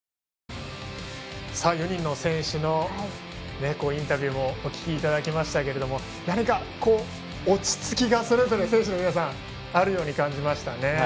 ４人の選手のインタビューお聞きいただきましたが何か落ち着きがそれぞれ選手の皆さんあるように感じましたね。